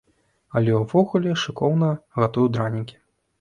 Але ўвогуле шыкоўна гатую дранікі.